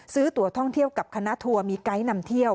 ตัวท่องเที่ยวกับคณะทัวร์มีไกด์นำเที่ยว